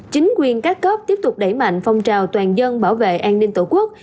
chính quyền các cấp tiếp tục đẩy mạnh phong trào toàn dân bảo vệ an ninh tổ quốc